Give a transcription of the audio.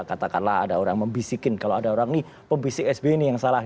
katakanlah ada orang membisikin kalau ada orang nih pembisik sbi ini yang salah